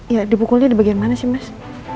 ya dipukulnya di bagian mana sih mas